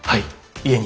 家に！